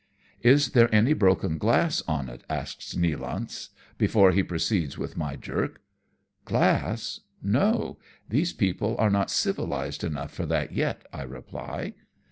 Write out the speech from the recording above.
" Is there any broken glass on it ?'■' asks Nealance, before he proceeds with my jerk. " Glass ? no ! these people are not civilized enough for that yet," I reply.